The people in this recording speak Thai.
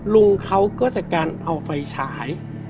ลุงเขาก็เสร็จการเอาไฟฉาย